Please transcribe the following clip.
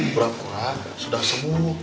berapa pulang sudah sembuh